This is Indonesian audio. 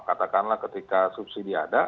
katakanlah ketika subsidi ada